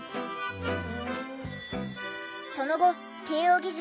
その後慶應義塾